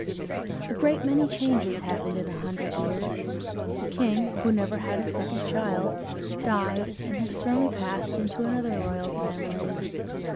A great many changes happen in a hundred years. The king, who never had a second child, died, and his throne passed into another royal family.